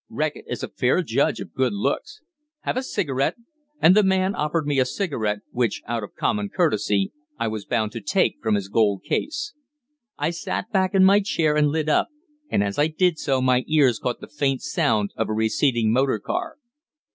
Reckitt is a fair judge of good looks. Have a cigarette?" and the man offered me a cigarette, which, out of common courtesy, I was bound to take from his gold case. I sat back in my chair and lit up, and as I did so my ears caught the faint sound of a receding motor car.